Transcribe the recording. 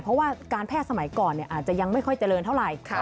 เพราะว่าการแพทย์สมัยก่อนอาจจะยังไม่ค่อยเจริญเท่าไหร่